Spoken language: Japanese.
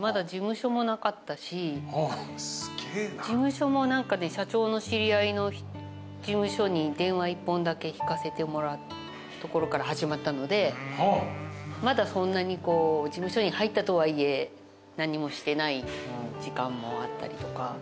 事務所も社長の知り合いの事務所に電話一本だけ引かせてもらうところから始まったのでまだそんなに事務所に入ったとはいえ何もしてない時間もあったりとか。